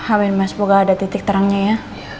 amin ma semoga ada titik terangnya ya